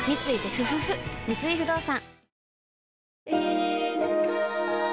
三井不動産